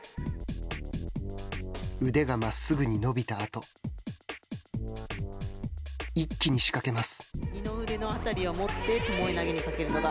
腕がまっすぐに伸びたあと、一気に仕掛けます。